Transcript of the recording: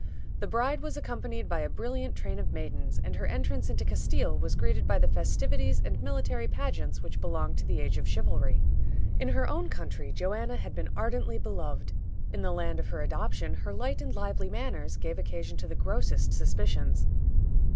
The bride was accompanied by a brilliant train of maidens, and her entrance into Castile was greeted by the festivities and military pageants which belonged to the age of chivalry. In her own country Joanna had been ardently beloved; in the land of her adoption her light and lively manners gave occasion to the grossest suspicions.